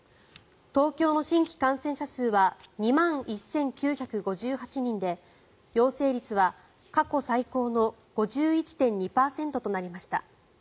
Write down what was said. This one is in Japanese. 東京の新規感染者数は２万１９５８人で陽性率は過去最高の５１．２％となりました。